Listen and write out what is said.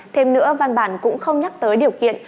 thêm nữa văn bản cũng không nhắc tới điều kiện